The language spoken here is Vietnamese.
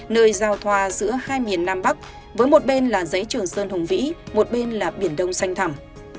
nơi giao thoa giữa hai miền nam bắc với một bên là dãy trường sơn hùng vĩ một bên là biển đông xanh thầm